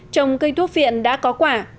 trồng cây thuốc viện đã có quả